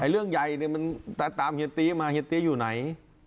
เรืองใหญ่ตามเศรษฐีมาเศรษฐีอยู่ไหน